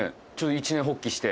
一念発起して？